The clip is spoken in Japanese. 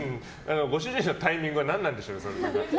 ご主人のタイミングは何なんでしょう。